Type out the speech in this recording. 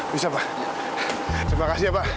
bisa pak terima kasih ya pak